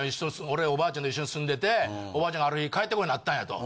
俺おばあちゃんと一緒に住んでておばあちゃんがある日帰ってこへんなったんやと。